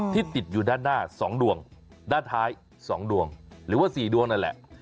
ติดอยู่ด้านหน้า๒ดวงด้านท้าย๒ดวงหรือว่า๔ดวงนั่นแหละ